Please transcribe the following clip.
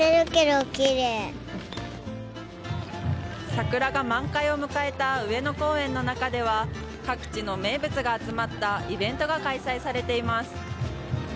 桜が満開を迎えた上野公園の中では各地の名物が集まったイベントが開催されています。